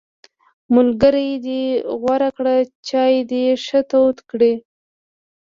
ملګری دې غوره کړه، چای دې ښه تود کړه!